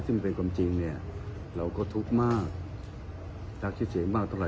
ซึ่งเป็นความจริงเนี่ยเราก็ทุกข์มากรักคิดเสียงมากเท่าไ